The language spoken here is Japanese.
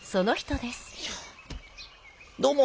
どうも。